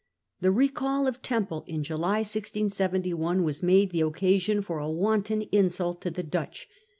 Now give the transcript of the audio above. The recall of Temple in July 1671 was made the occasion for a wanton insult to the Dutch.